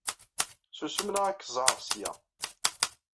Susem neɣ ad k-ẓẓɛeɣ seg-a.